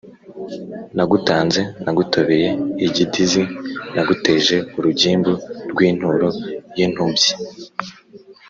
« nagutanze/ nagutobeye igidìzi/ naguteje urugimbu/ rw'inturo y'intumbyi/